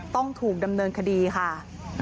ต้องถูกดำเนินคดีค่ะ